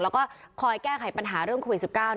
แล้วก็คอยแก้ไขปัญหาเรื่องโควิด๑๙